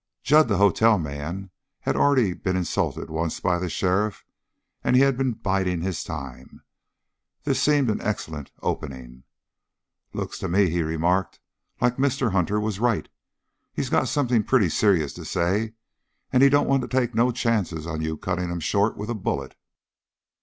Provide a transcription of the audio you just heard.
Jud, the hotel man, had already been insulted once by the sheriff, and he had been biding his time. This seemed an excellent opening. "Looks to me," he remarked, "like Mr. Hunter was right. He's got something pretty serious to say, and he don't want to take no chances on your cutting him short with a bullet!"